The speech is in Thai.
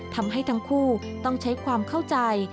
ทำให้ทั้งคู่ต้องใช้ความเข้าใจ